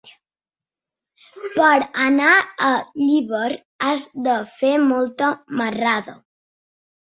Per anar a Llíber has de fer molta marrada.